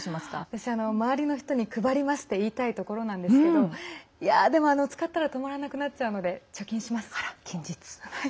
私は、周りの人に配りますって言いたいところなんですけどでも使ったら止まらなくなっちゃうので貯金します。